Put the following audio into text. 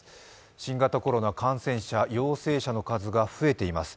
新型コロナ感染者、陽性者の数が増えています。